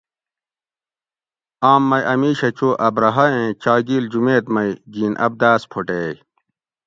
آم مئی ا میشہ چو ابرھہ ایں چاگیل جُمیت مئی گِین ابداۤس پھوٹیئے